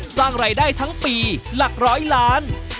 สร้างรายได้ทั้งปีหลักร้อยล้าน